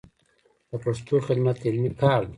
د پښتو خدمت علمي کار دی.